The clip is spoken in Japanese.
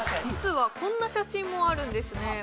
実はこんな写真もあるんですね